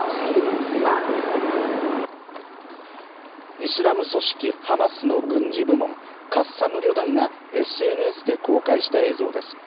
イスラム組織ハマスの軍事部門、カッサム旅団がＳＮＳで公開した映像です。